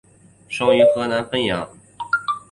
生于河南省泌阳。